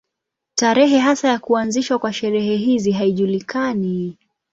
Tarehe hasa ya kuanzishwa kwa sherehe hizi haijulikani.